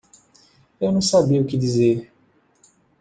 Eu não sabia o que dizer.